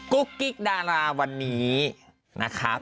กุ๊กกิ๊กดาราวันนี้นะครับ